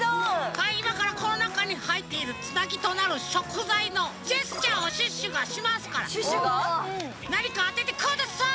はいいまからこのなかにはいっているつなぎとなるしょくざいのジェスチャーをシュッシュがしますからなにかあててください！